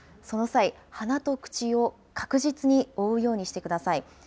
その際、鼻と口を確実に覆うようにしてください。